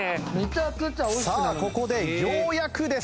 さあここでようやくです。